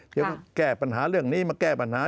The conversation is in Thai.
จะมาแก้ปัญหาเรื่องนี้มาแก้ปัญหา